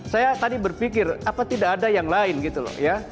saya tadi berpikir apa tidak ada yang lain gitu loh ya